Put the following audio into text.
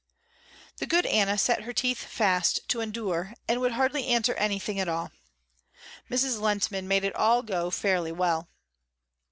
The good Anna set her teeth fast to endure and would hardly answer anything at all. Mrs. Lehntman made it all go fairly well.